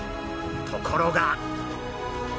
ところが。